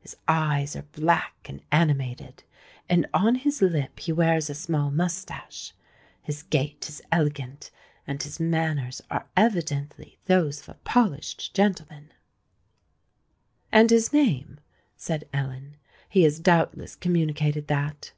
His eyes are black and animated, and on his lip he wears a small moustache. His gait is elegant; and his manners are evidently those of a polished gentleman." "And his name?" said Ellen. "He has doubtless communicated that?"